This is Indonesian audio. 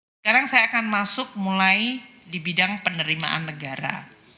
sekarang saya akan masuk mulai di bidang penerimaan negara